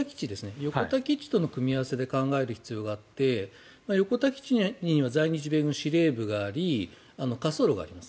横田基地との組み合わせで考える必要があって横田基地には在日米軍司令部があり滑走路があります。